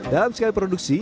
dalam sekali produksi